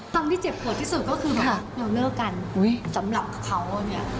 ที่เจ็บปวดที่สุดก็คือแบบเราเลิกกันอุ้ยสำหรับเขาเนี่ย